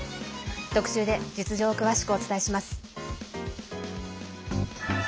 特集で実情を詳しくお伝えします。